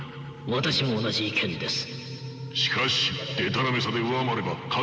私も同じ意見です。